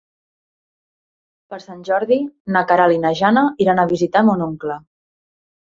Per Sant Jordi na Queralt i na Jana iran a visitar mon oncle.